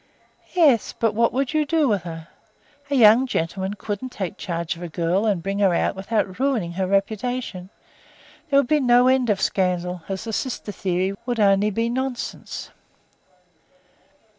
"Yes; but what would you do with her? A young gentleman couldn't take charge of a girl and bring her out without ruining her reputation. There would be no end of scandal, as the sister theory would only be nonsense."